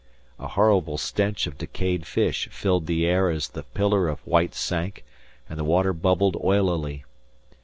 A horrible stench of decayed fish filled the air as the pillar of white sank, and the water bubbled oilily.